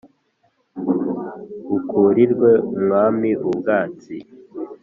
bukurirwe umwami ubwatsi